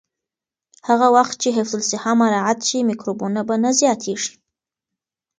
هغه وخت چې حفظ الصحه مراعت شي، میکروبونه به نه زیاتېږي.